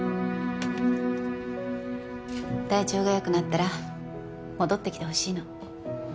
体調が良くなったら戻ってきてほしいの。